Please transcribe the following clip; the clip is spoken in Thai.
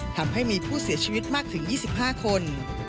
ทำให้มีผู้เสียชีวิตมากถึง๒๕คน